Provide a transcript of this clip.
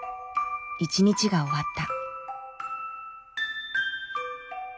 一日が終わった。